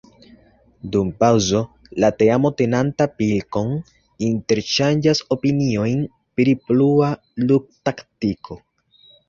Dum paŭzo, la teamo tenanta pilkon, interŝanĝas opiniojn pri plua ludtaktiko.